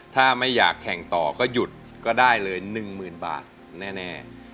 ถ้าไม่อยากแข่งต่อก็หยุดก็ได้เลย๑๐๐๐บาทแน่